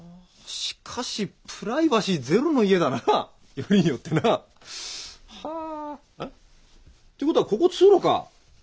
しかしプライバシーゼロの家だなよりによってなあ。はあん？ということはここ通路か。